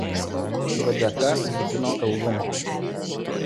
Uodega vidutinio ilgumo.